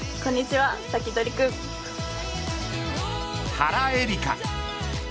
原英莉花。